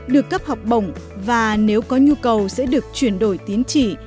được cấp học bổng và nếu có nhu cầu sẽ được chuyển đổi tín chỉ